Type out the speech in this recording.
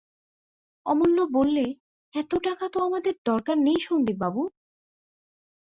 অমূল্য বললে, এত টাকা তো আমাদের দরকার নেই সন্দীপবাবু।